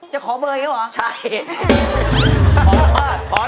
จะขอเบอร์อยู่หรือเปล่า